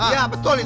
ya betul itu